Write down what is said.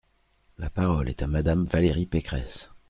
La parole est à Madame Valérie Pécresse.